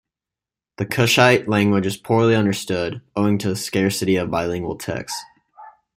The Kushite language is poorly understood, owing to the scarcity of bilingual texts.